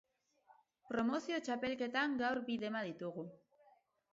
Promozio txapelketan gaur bi dema ditugu.